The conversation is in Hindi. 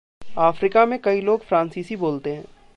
आफ़्रिका में कई लोग फ़्रांसीसी बोलते हैं।